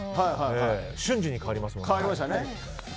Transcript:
瞬時に変わりますもんね。